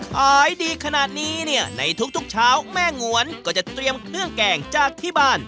ขายดีขนาดนี้เนี่ยในทุกเช้าแม่งวนก็จะเตรียมเครื่องแกงจากที่บ้าน